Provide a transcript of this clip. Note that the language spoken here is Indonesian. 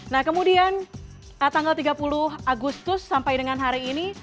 nah kemudian tanggal tiga puluh agustus sampai dengan hari ini